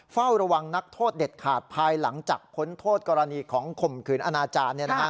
เฝ้าระวังนักโทษเด็ดขาดภายหลังจากพ้นโทษกรณีของข่มขืนอนาจารย์